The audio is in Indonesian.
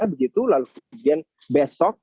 begitu lalu kemudian besok